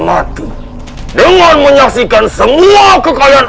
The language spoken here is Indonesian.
aku akan menghantarkan kalian